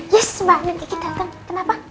yes mbak minta ki datang kenapa